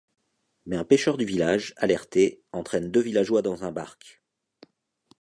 Mais un pêcheur du village, alerté, entraîne deux villageois dans un barque.